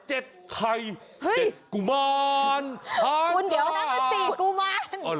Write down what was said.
เจ็ดไข่เจ็ดกุมารห้านกาคุณเดี๋ยวนะมันสี่กุมาร